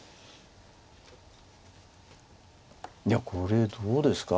いやこれどうですか？